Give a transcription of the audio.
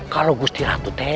kalau kanda berkata